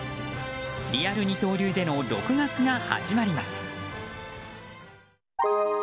リアル二刀流での６月が始まります。